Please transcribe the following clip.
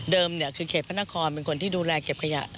เดิมเนี่ยคือเขตพระนครเป็นคนที่ดูแลเก็บขยะ